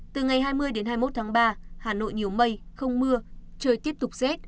từ ngày hai mươi đến hai mươi một tháng ba hà nội nhiều mây không mưa trời tiếp tục rét